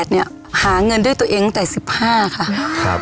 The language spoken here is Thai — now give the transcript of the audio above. อ๋อ๑๘เนี่ยหาเงินให้ตัวเองตั้งแต่๑๕ค่ะ